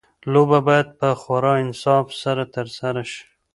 لوبه باید په خورا انصاف سره ترسره شي.